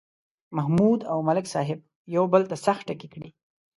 محمود او ملک صاحب یو بل ته سخت ټکي کړي.